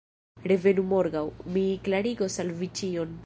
Revenu morgaŭ: mi klarigos al vi ĉion.